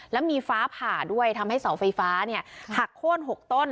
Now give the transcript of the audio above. แล้วมีฟ้าผ่าด้วยทำให้เสาไฟฟ้าหักโค้น๖ต้น